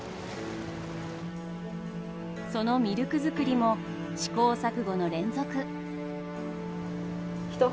そのミルク作りも試行錯誤の連続。